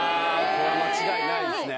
これは間違いないですね